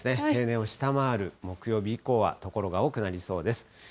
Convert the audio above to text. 例年を下回る木曜日以降は、所が多くなりそうです。